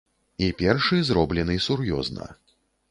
І першы, зроблены сур'ёзна.